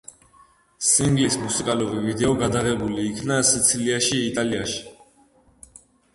სინგლის მუსიკალური ვიდეო გადაღებული იქნა სიცილიაში, იტალიაში.